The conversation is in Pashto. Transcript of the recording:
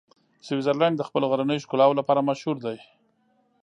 سویټزرلنډ د خپلو غرنیو ښکلاوو لپاره مشهوره دی.